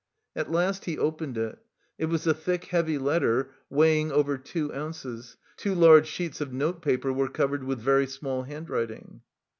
At last he opened it; it was a thick heavy letter, weighing over two ounces, two large sheets of note paper were covered with very small handwriting.